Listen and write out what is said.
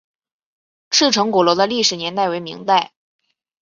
赤城鼓楼的历史年代为明代。